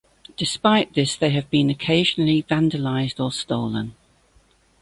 Despite this they have been occasionally vandalised or stolen.